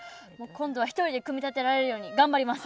今度は１人で組み立てられるように頑張ります。